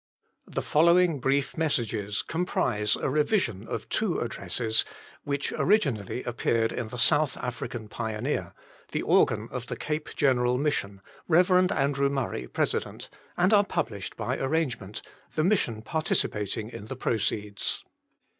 The following brief messages com prise a revision of two addresses, which originally appeared in the JSouth African Pioneer, the organ of the' Cape Gen eral Mission" (Rev. Andrew Murray, Pres.), and are published by arrange ment, the Mission participating in the proceeds.